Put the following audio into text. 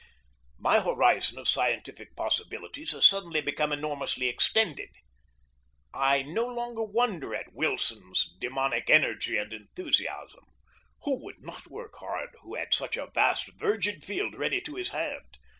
My horizon of scientific possibilities has suddenly been enormously extended. I no longer wonder at Wilson's demonic energy and enthusiasm. Who would not work hard who had a vast virgin field ready to his hand?